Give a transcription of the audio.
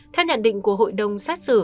theo nhận định của hội đồng xét xử